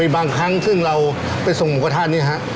บางครั้งซึ่งเราไปส่งหมูกระทะนี่ฮะ